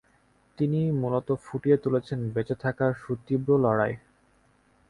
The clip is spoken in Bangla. তিনি মূলত ফুটিয়ে তুলেছেন বেঁচে থাকার সুতীব্র লড়াই।